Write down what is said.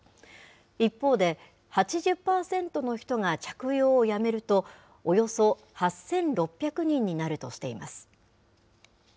一方で、８０％の人が着用をやめると、およそ８６００人になるとしています。